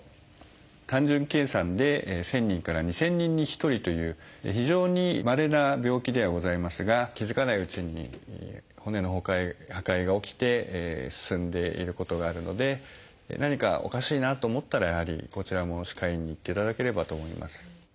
単純計算で１，０００人から２，０００人に１人という非常にまれな病気ではございますが気付かないうちに骨の破壊が起きて進んでいることがあるので何かおかしいなと思ったらやはりこちらも歯科医院に行っていただければと思います。